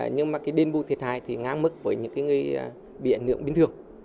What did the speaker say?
nhưng đền bù thiệt hại ngang mức với những người bị ảnh hưởng bình thường